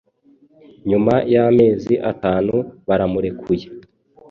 nyuma y'amezi atanu baramurekuye.